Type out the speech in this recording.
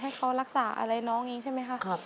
ให้เขารักษาอะไรน้องอย่างนี้ใช่ไหมคะ